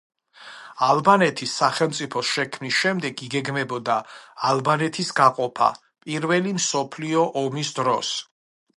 ალბანეთის სახელმწიფოს შექმნის შემდეგ, იგეგმებოდა ალბანეთის გაყოფა პირველი მსოფლიო ომის დროს.